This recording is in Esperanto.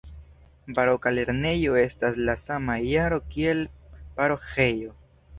Baroka lernejo estas el la sama jaro kiel la paroĥejo.